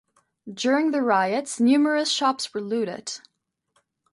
During the riots numerous shops were looted.